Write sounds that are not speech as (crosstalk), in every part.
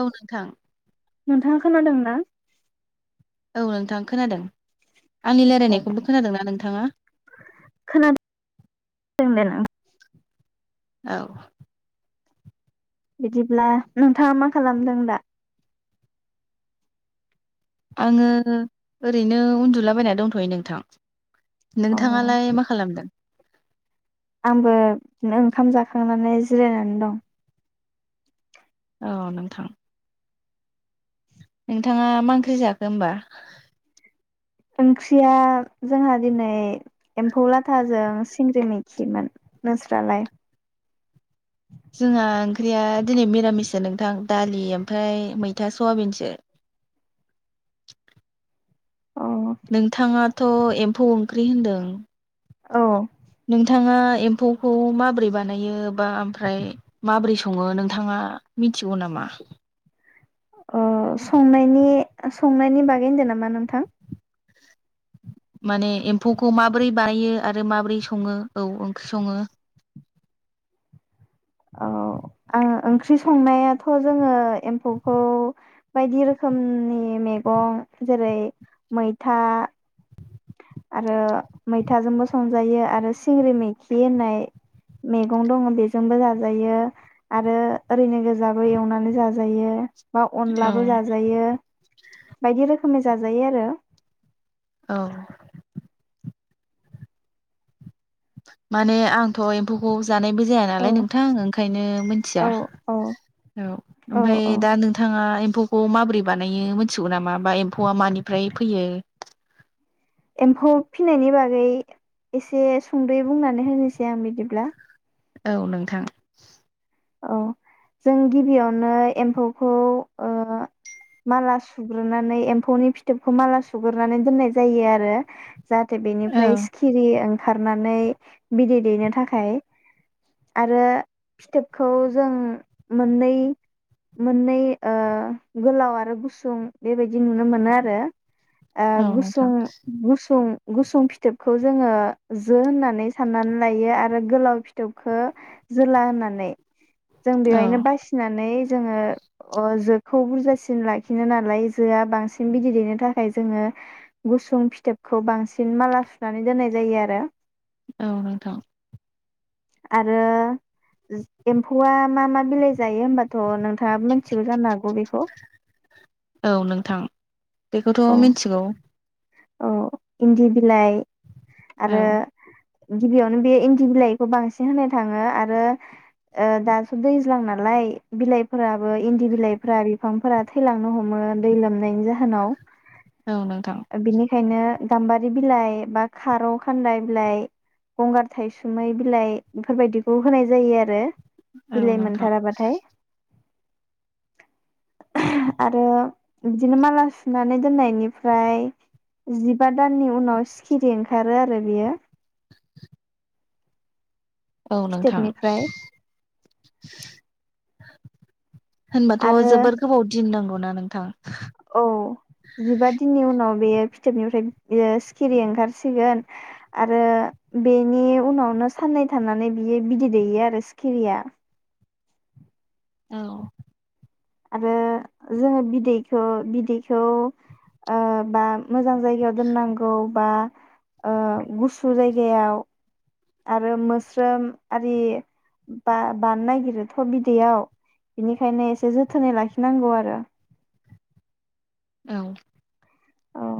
औ नोंथां। नोंथांआ खोनादों ना? औ नोंथां खोनादों। आंनि औ लायरायनायखौबो खोनादोंना नोंथांआ? खोनादों दे नों औ। बिदिब्ला नोंथांआ मा खालामदों दा? आंङो ओरैनो उन्दुलाबायना दंथ'यो नोंथां। अ नोंथांआलाय मा खालामदों? आंबो बिदिनो ओंखाम जाखांनानै जिरायनानै दं। औ नोंथां। नोंथांआ मा ओंख्रि जाखो होनोमबा? ओंख्रिया जोंहा दिनै एम्फौ लाथाजों सिंग्रिमैखिमोन। नोंस्रालाय? जोंहा ओंख्रिया दिनै मिरामिससो नोंथां दालि ओमफ्राय मैथा सयाबिनसो। औ नोंथांआ थ' एम्फौ ओंख्रि होन्दों। औ। नोंथांआ एम्फौखौ माबोरै बानायो बा ओमफ्राय माबोरै संङो नोंथांआ मिथिगौ नामा? अ' संनायनि-संनायनि बागै होनदों नामा नोंथां? माने एम्फौखौ माब्रै बायो आरो माब्रै संङो औ ओंख्रि संङो। औ आं ओंख्रि संनायाथ' जोंङो एम्फौखौ बायदि रोखोमनि मैगं जेरै मैथा आरो मैथाजोंबो संजायो आरो सिंग्रि मैखि होननाय मैगं दंङ बेजोंबो जाजायो आरो ओरैनो गोजाबो एवनानै जाजायो। बा औ अनलाबो जाजायो। बायदि रोखोमै जाजायो आरो औ। माने आंथ' एम्फौखौ जानायबो जाया औ नालाय नोंथां ओंखायनो मोनथिया औ औ ओमफाय औ दा नोंथांआ एम्फौखौ माब्रै बानायो मिथिगौ नामा बा एम्फौआ मानिफ्राय फैयो? एम्फौ फिनायनि बागै एसे संदै बुंनानै होनोसै आं बिदिब्ला औ नोंथां। औ जों गिबियावनो एम्फौखौ ओ माला सुग्रोनानै एम्फौनि फिथोबखौ माला सुग्रोनानै दोननाय जायो आरो जाहाथे औ बेनिफ्राय सिखिरि ओं खारनानै बिदै दैनो थाखाय आरो फिथोब खौ जों मोननै-मोननै ओ गोलाव आरो गुसुं बेबायदि नुनो मोनो आरो। ओ औ गुसुं नोंथां गुसुं गुसुं फिथोबखौ जोङो जो होननानै साननानै लायो आरो गोलाव फिथोबखौ जोला होननानै। जों औ बेवहायनो बासिनानै जोङो अ जोखौ बुरजासिन लाखिनो नालाय जोआ बांसिन बिदै दैनो थाखाय जोङो गुसुं फिथोबखौ बांसिन माला सुनानै दोननाय जायो आरो। औ नोंथां। आरो एम्फौआ मा मा बिलाइ जायो होमबाथ' नोंथाङाबो मोनथिगौ जानो हागौ बेखौ औ नोंथां बेखौथ' मिनथिगौ अ इन्दि बिलाइ औ आरो गिबियावनो बे इन्दि बिलाइखौ बांसिन होनाय थाङो आरो ओ दाथ' दैज्लां नालाय बिलाइफोराबो इन्दि बिलाइफोरा बिफांफोरा थैलांनो हमो दै लोमनायनि जाहोनाव। औ नोंथां। बिनिखायनो गाम्बारि बिलाइ बा खारौ खान्दाइ बिलाइ गंगार थायसुमै बिलाइ बेफोरबायदिखौ होनाय जायो आरो। औ बिलाइ नोंथां मोनथाराबाथाय। आरो बिदिनो माला सुनानै दोननायनिफ्राय जिबा दाननि उनाव सिखिरि ओंखारो आरो बियो। औ नोंथां। फिथोबनिफ्राय होनबाथ' आरो जोबोर गोबाव दिन गौना नोंथां। औ जिबा दिननि उनाव। बेयो फिथोबनिफ्राय बेयो सिखिरि ओंखारसिगोन आरो बेनि उनावनो साननै थानानै बियो बिदै दैयो आरो सिखिरिया। औ। आरो जोङो बिदैखौ बिदैखौ ओ बा मोजां जायगायाव दोननांगौ। बा ओ गुसु जायगायाव आरो मोस्रोम आरि बा बानोनो नागिरोथ' बिदैयाव बेनिखायनो एसे जोथोनै लाखिनांगौ आरो औ औ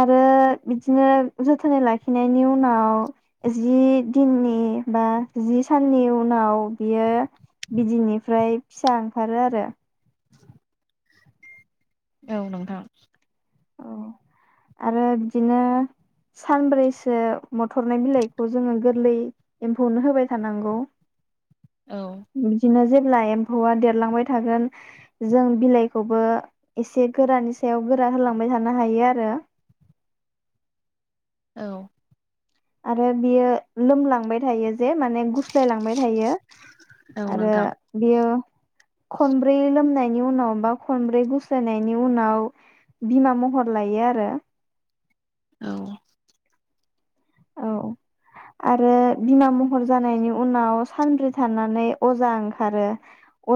आरो बिदिनो जोथोनै लाखिनायनि उनाव जि दिननि बा जि साननि उनाव बियो बिदिनिफ्राय फिसा ओंखारो आरो औ नोंथां। औ आरो बिदिनो सानब्रैसो मथरनाय बिलाइखौ जोङो गोर गोरलै एम्फौनो होबाय थानांगौ। औ बिदिनो जेब ला एम्फौआ देरलांबाय थागोन जों बिलाइखौबो इसे गोरानि सायाव गोरा होलां बाय थानो हायो आरो औ आरो बियो लोमलांबाय थायोज बे माने गुस्लाय लांबाय थायो औ आरो नोंथां बियो खनब्रै लोमनायनि उनाव बा खनब्रै गुस्लायनायनि उनाव बिमा महर लायो आरो औ औ आरो बिमा महर जानायनि उनाव सानब्रै थानानै अजा ओंखारो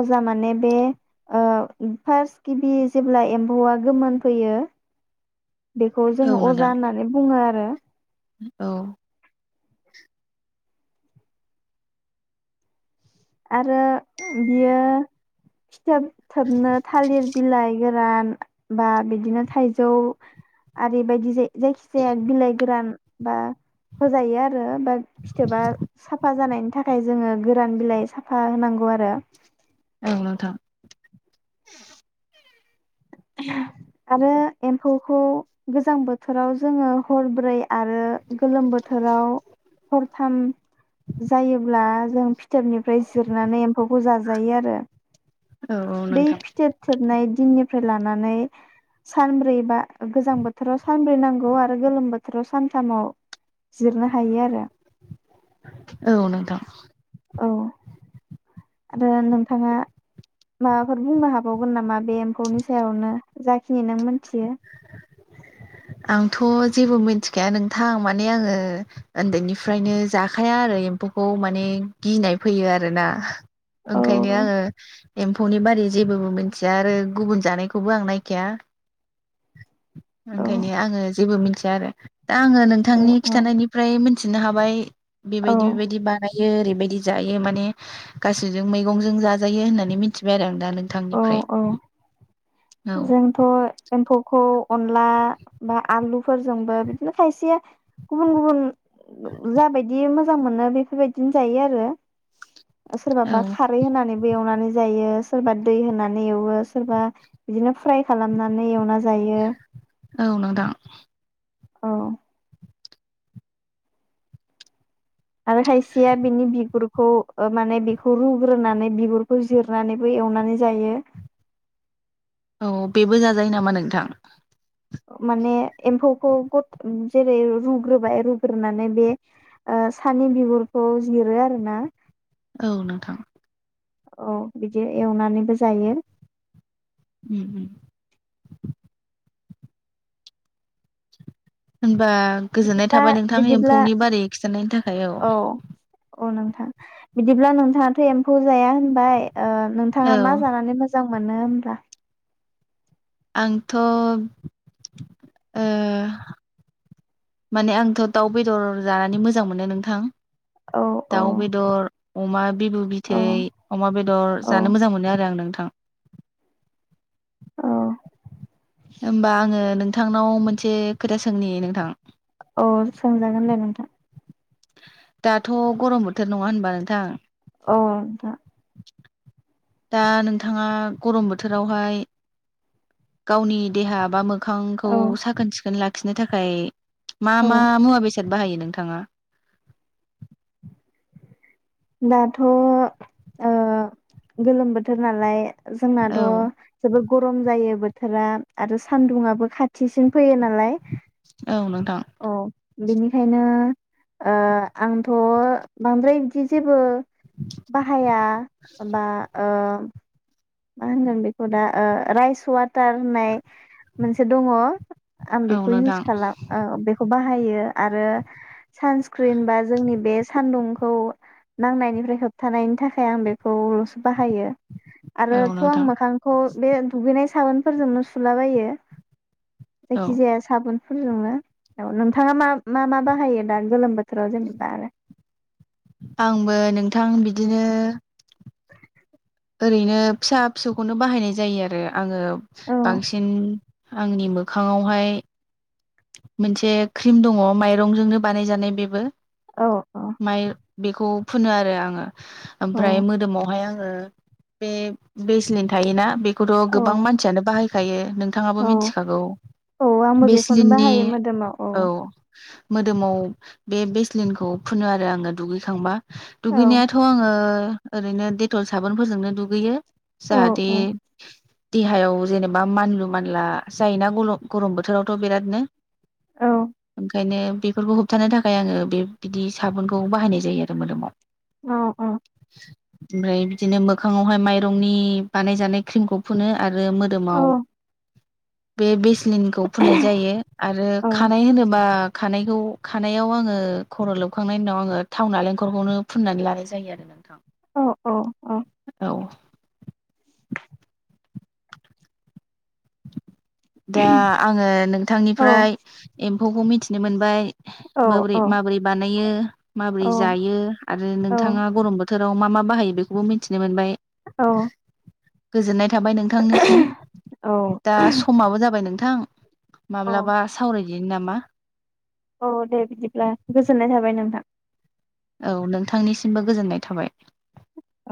अजा माने बे ओ फास्ट गिबि जेब्ला एम्फौआ गोमोन फैयो बेखौ औ जोङो नोंथां अजा होननानै बुङो आर हो औ आरो बियो फिथोब थोबनो थालिर बिलाइ गोरान बा बिदिनो थाइजौ आरि बायदि जाय जायखि जाया बिलाइ गोरान। बा होजायो आरो बा फिथोबा साफा जानायन थाखाय जोङो गोरान बिलाइ साफा होनांगौ आरो औ नोंथां। (inaudible) आरो एम्फौ खौ गोजां बोथोराव जोङो हरब्रै आरो गोलोम बोथोराव हरथाम जायोब्ला जों फि फिथोबनिफ्राय जिरनानै एम्फौखौ जाजायो आरो औ औ बै नोंथां फिथोब थोबनाय दिननिफ फ्राय लानानै सानब्रैबा गोजां बोथोराव सानब्रै नांगौ आरो गोलोम बोथोराव सानथामाव जिरनो हायो आरो औ नोंथां औ आरो नोंथाङा माबाफोर बुंनो हाबावगोन नामा? बे एम्फौनि सायावनो। जाखिनि नोंमोन ख्रिया आंथ' जेबो मिथिखाया नोंथां माने आङो उन्दैनिफ्रायनो जाखाया आरो एम्फौखौ माने गिनाय फैयो आरोना औ ओंखायनो आङो एम्फौनि बा जेबो मिथिया आरो गुबुन जानायखौबो आं नायखाया औ ओंखायनो आङो जेबो मिथि या आरो दा आङो नोंथांनि खिन्थानायनिफ्राय मि थिनो हाबाय औ बेबायदि बेबायदि बानायो ओरै बायदि जायो माने गासिजों मैगंजों जाजायो होननानै मिथिबाय आरो आं दा औ नोंथांनिफ्राय औ औ जोंथ' एम्फौखौ अनला बा आलुफोरजोंबो बिदिनो खायसेया गुबुन गुबुन जाबायदि मोजां मोनो बेफोरबायदिनो जायो आरो। औ सोरबाबा खारै होनानैबो एवनानै जायो सोरबा दै होनानै एवो सोरबा बिदिनो फ्राय खालामनानै एवना जायो। औ नोंथां। औ। आरो खायसेया बिनि बिगुरु खौ माने बेखौ रुग्रोनानै बिगुरखौ जिरनानैबो एवनानै जायो। औ बेबो जाजायो नामा नोंथां? माने एम्फौखौ गद जेरै रुग्रोबाय रुग्रोनानै बे ओ सानि बिगुरखौ जिरो आरो ना। औ नोंथां। औ बिदि एवनानैबो जायो। उम उम ओं होबा गोजोननाय बिदिब्ला थाबाय नोंथां बिदिब्ला एम्फौनि बारै खिथानायनि थाखाय औ। अ नोंथां बिदिब्ला नोंथाङाथ' एम्फौ जाया होनबाय ओ नोंथाङा औ मा जानानै मोजां मोजां मोनो होमबब्ला? आंथ' ओ माने आंथ' दाउ बेदर जानानै मोजां मोनो नोंथां। औ औ दाउ बेदर। अमा। बिबु औ बिथै अमा बेदर औ जानो मोजां मोनो आरो आं नोंथां। दां औ। होमबा आङो नोंथ नोंथांनाव मोनसे खोथा सोंनि नोंथां? औ सोंजागोन दे नोंथां दाथ' गरम बोथोर नङा होनबा नोंथां? औ नोंथां दा नोंथाङा गरम बोथोरावहाय गावनि देहा बा मो मोखांखौ औ साखोन सिखोन लाख खिनो थाखाय मा औ मा मुवा बेसाद बाहायो नोंथाङा? दाथ' ओ गोलोम बोथोर नालाय जोंनाथ' औ जोबोद गरम जायो बोथ बोथोरा आरो सान्दुुंआबो खाथिसिन फैयो नाम नालाय औ नोंथां औ। बिनिखायनो ओ आंथ' बांद्राय बिदि जेबो बाहाया बा ओ मा होनगोन बेखौ दा ओ राइस वाटार होननाय मोनसे दङ आं औ बेखौ नोंथां इउस खालाम औ बेखौ बाहाय बाहायो आरो सानस्क्रिन बा जोंनि बे सानदुंखौ नांनायनिफ्राय होबथानायनि थाखाय आं बेखौल'सो बाहायो। औ आरोथ' आं नोंथां मोखांखौ बे दुगैनाय साबोनफोरजोंनो सुलाबायो। औ जायखिजाया साबुन फोरजोंनो औ नोंथाङा मा मा मा बाहायो दा गोलोम बोथोराव जेनेबा आरो आंबो नोंथां बिदिनो ओरैनो फिसा फिसौखौनो बाहायनाय जायो आरो। आङो औ बांसिन आंनि मोखाङावहाय मोनसे क्रिम दङ माइरंजोंनो बानायजानाय बेबो औ औ माइ बेखौ फुनो आरो आङो। औ ओमफ्राय मोदोमावहाय आं ओ बे बेसलिं थायोना? खौथ' औ गोबां मानसियानो बाहाय खायो। नोंथाङाबो औ मिथिखागौ औ आंबो बेसे बेखौनो लिननि बाहायो मोदोमाव औ मोदोमाव बे बेस्लिनखौ फुनो आरो आङो दुगैखांबा औ दुगैनायाथ' आङो ओरैनो डेटल साबोनफोरजोंनो दुगैयो औ जाहाते औ देहायाव जेनेबा मानलु मानला जायोना गर-गरम बोथोराव थ' बिरादनो औ ओंखायनो बेफोरखौ होबथानो थाखाय आङो बे बिदि साबुनखौ बाहायनाय जायो आरो मोदोमाव। अ औ ओमफाय बिदिनो मोखाङावहाय माइरंनि बानायजानाय क्रिमखौ फुनो। आरो औ मोदोमाव बे बेसलिन फुननाय जायो आरो औ खानाय होनोबा खानायखौ खानायाव आङो खर' लोबखांनायनि उनाव आङो थाव नालेंखरखौनो फुननानै लानाय जायो आरो नोंथां। अ अ अ औ दा आङो नोंथांनिफ्राय एम्फौखौ मिथि नो मोनबाय बोब्रै माबोरै बानायो। ओ माबोरै जायो आरो नोंथाङा गरम बो थोराव मा मा बाहायो बेखौबो मिन्थिनो मोनबाय। औ गोजोननाय थाबाय नोंथांनिसिम। दा स जाबाय नोंथां माब्लाबा सावराय दिनि नामा औ दे बिदिब्ला गोजोननाय थाबाय नोंथां। औ नोंथांनिसिमबो गोजोननाय थाबाय। औ